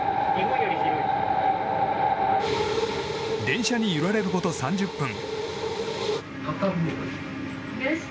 電車に揺られること３０分。